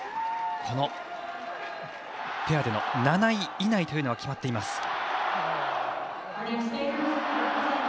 このペアでの７位以内というのは決まっています。